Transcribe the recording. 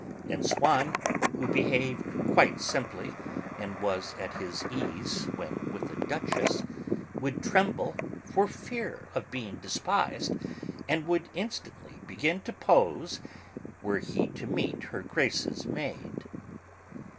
And Swann, who behaved quite simply and was at his ease when with a duchess, would tremble for fear of being despised, and would instantly begin to pose, were he to meet her grace's maid.